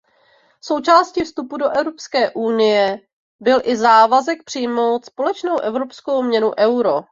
Součástí vstupu do Evropské unie byl i závazek přijmout společnou evropskou měnu euro.